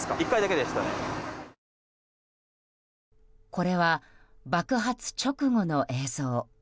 これは爆発直後の映像。